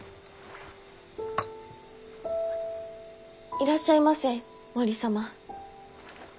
いらっしゃいませ森様。